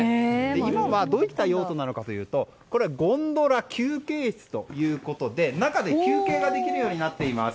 今はどういった用途なのかというとゴンドラ休憩室ということで中で休憩ができるようになっています。